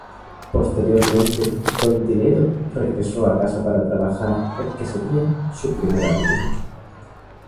Posteriormente Don Dinero regresó a casa para trabajar el que sería su primer álbum.